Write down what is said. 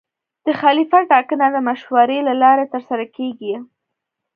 د خلیفه ټاکنه د مشورې له لارې ترسره کېږي.